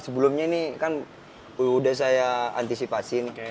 sebelumnya ini kan udah saya antisipasi